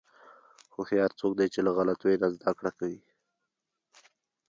هوښیار څوک دی چې له غلطیو نه زدهکړه کوي.